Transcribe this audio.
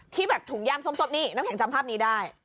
ที่แบบถุงย่างส้มนี่น้ำแข็งจำภาพนี้ได้